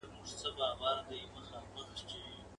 د دریاب پر غاړه لو کښټۍ ولاړه.